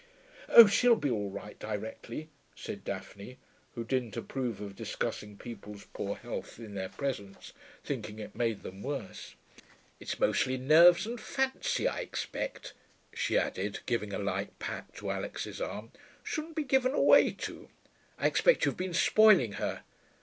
'Oh, she'll be all right directly,' said Daphne, who didn't approve of discussing people's poor health in their presence, thinking it made them worse. 'It's mostly nerves and fancy, I expect,' she added, giving a light pat to Alix's arm. 'Shouldn't be given way to. I expect you've been spoiling her.'